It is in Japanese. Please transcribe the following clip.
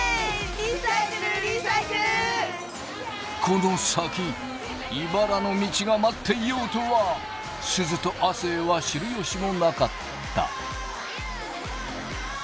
この先いばらの道が待っていようとはすずと亜生は知る由もなかった。